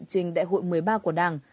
trên đại hội một mươi ba của đảng